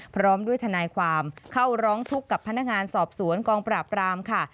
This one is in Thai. พร้อมด้วยทนายความเข้าร้องทุกข์กับพนักงานสอบสวนกองปราบรามค่ะ